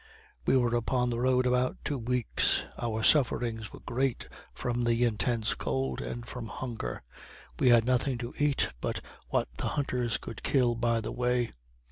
We were upon the road about two weeks; our sufferings were great from the intense cold, and from hunger; we had nothing to eat but what the hunters could kill by the way.